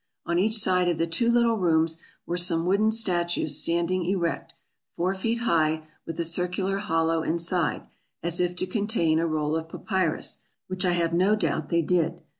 On each side of the two little rooms were some wooden statues standing erect, four feet high, with a circular hollow inside, as if to contain a roll of papyrus, which I have no doubt they did.